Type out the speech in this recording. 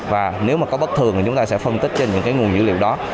và nếu mà có bất thường thì chúng ta sẽ phân tích trên những cái nguồn dữ liệu đó